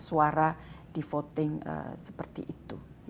suara di voting seperti itu